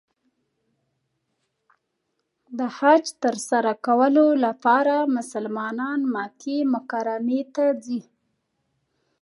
د حج تر سره کولو لپاره مسلمانان مکې مکرمې ته ځي .